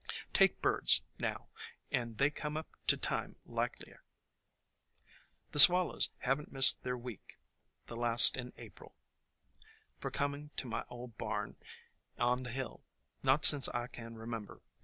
"Take birds, now, and they come up to time 1 6 THE COMING OF SPRING likelier. The swallows have n't missed their week, the last in April, for coming to my old barn on the hill, not since I can remember.